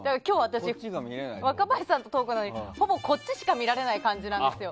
若林さんのトークの時ほぼこっちしか見られない感じなんですよ。